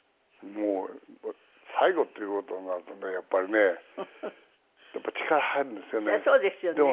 もう最後っていう事になるとねやっぱりね力入るんですよね。